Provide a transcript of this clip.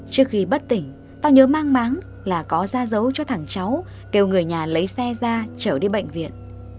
trước khi bất tỉnh tao nhớ mang máng là có ra dấu cho thằng cháu kêu người nhà lấy xe ra chở đi bệnh viện